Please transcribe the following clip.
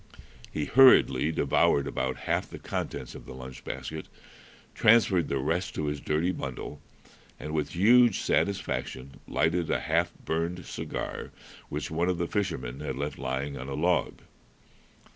He hurriedly devoured about half the contents of the lunch basket, transferred the rest to his dirty bundle, and with huge satisfaction lighted a half burned cigar which one of the fishermen had left lying on a log.